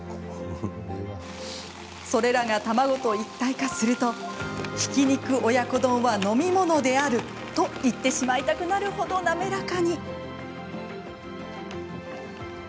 それらが卵と一体化するとひき肉親子丼は飲み物であると言ってしまいたくなる程滑らかに。